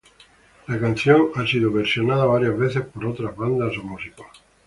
La canción ha sido versionada varias veces por otras bandas o músicos.